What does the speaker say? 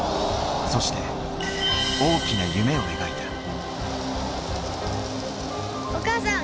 そして大きな夢を描いた。